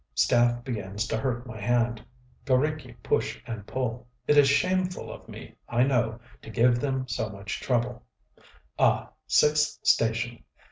Staff begins to hurt my hand.... G┼Źriki push and pull: it is shameful of me, I know, to give them so much trouble.... Ah! sixth station!